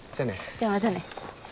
じゃあまたね。